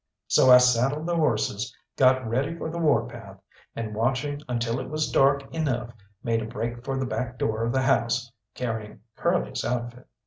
So I saddled the horses, got ready for the warpath, and watching until it was dark enough, made a break for the back door of the house, carrying Curly's outfit.